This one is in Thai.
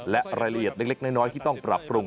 และรายละเอียดเล็กน้อยที่ต้องปรับปรุง